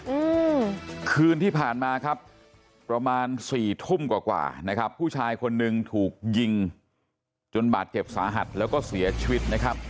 อืมคืนที่ผ่านมาครับประมาณสี่ทุ่มกว่ากว่านะครับผู้ชายคนหนึ่งถูกยิงจนบาดเจ็บสาหัสแล้วก็เสียชีวิตนะครับ